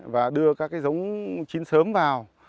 và đưa các cái giống chín sớm vào